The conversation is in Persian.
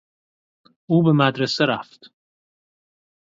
او به مدرسه رفت.